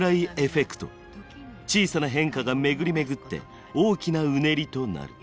小さな変化が巡り巡って大きなうねりとなる。